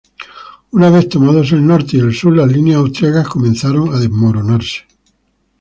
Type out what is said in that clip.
Una vez tomados el norte y el sur, las líneas austriacas comenzaron a desmoronarse.